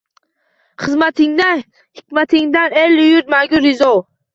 Xizmatingdan, hikmatingdan elu yurt mangu rizo